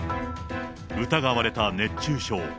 疑われた熱中症。